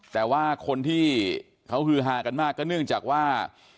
แต่ว่าคนที่เขาฮือฮากันมากก็เนื่องจากว่า